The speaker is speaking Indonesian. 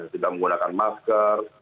tidak menggunakan masker